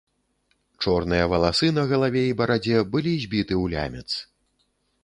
Чорныя валасы на галаве і барадзе былі збіты ў лямец.